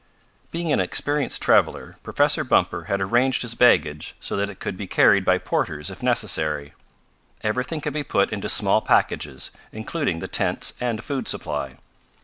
Being an experienced traveler Professor Bumper had arranged his baggage so that it could be carried by porters if necessary. Everything could be put into small packages, including the tents and food supply.